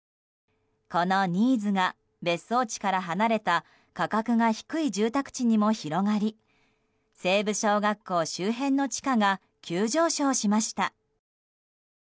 このニーズが別荘地から離れた価格が低い住宅地にも広がり西部小学校周辺の地価が急上昇しました。